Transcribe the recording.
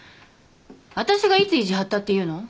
あたしがいつ意地張ったっていうの？